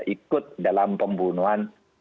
ikut dalam pembunuhan